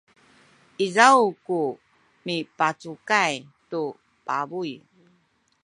izaw ku mipacukay tu pabuy